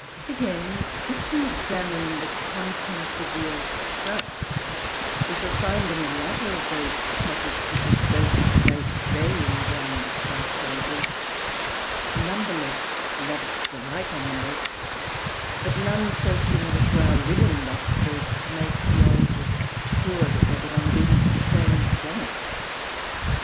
Again, if we examine the contents of the earth's crust, we shall find in the latter of those deposits, which have served as the great burying grounds of past ages, numberless lobster like animals, but none so similar to our living lobster as to make zoologists sure that they belonged even to the same genus.